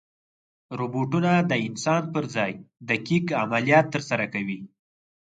روبوټونه د انسان پر ځای دقیق عملیات ترسره کوي.